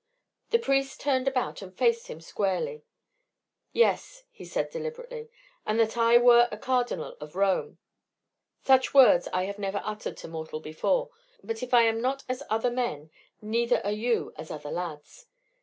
The priest turned about and faced him squarely. "Yes," he said deliberately, "and that I were a cardinal of Rome. Such words I have never uttered to mortal before; but if I am not as other men, neither are you as other lads.